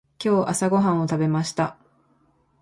今日朝ごはんを食べました。